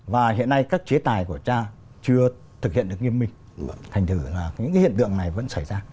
và hiện nay các chế tài của cha chưa thực hiện được nghiêm minh thành thử là những cái hiện tượng này vẫn xảy ra